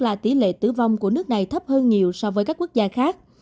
là tỷ lệ tử vong của nước này thấp hơn nhiều so với các quốc gia khác